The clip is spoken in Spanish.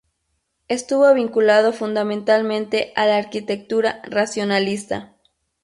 Estuvo vinculado fundamentalmente a la arquitectura racionalista.